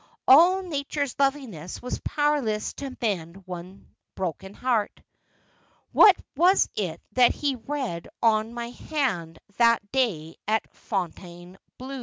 All Nature's loveliness was powerless to mend one broken heart. ' What was it that he read on my hand that day at Fontaine bleau